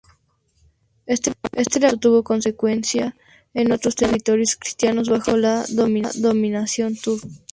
Este levantamiento tuvo consecuencias en otros territorios cristianos bajo la dominación turca.